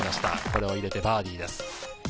これを入れてバーディーです。